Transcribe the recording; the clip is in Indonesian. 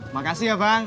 makasih ya bang